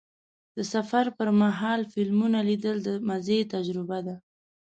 د سفر پر مهال فلمونه لیدل د مزې تجربه ده.